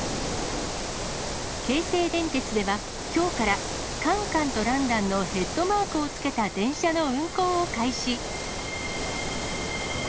京成電鉄では、きょうから、カンカンとランランのヘッドマークをつけた電車の運行を開始。